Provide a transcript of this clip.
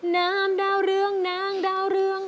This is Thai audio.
นามดาวเรืองนางดาวเรือง